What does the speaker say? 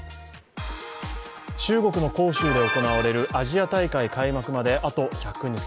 中国の杭州で行われるアジア大会開幕まであと１００日。